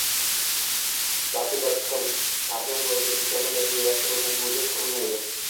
balki bir siqim parga o‘ralgan mukammal rejalashtirilgan mo‘’jaz qurilma edi.